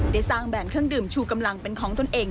ได้สร้างแบรนดเครื่องดื่มชูกำลังเป็นของตนเอง